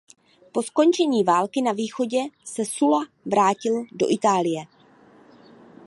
Po skončení války na Východě se Sulla vrátil do Itálie.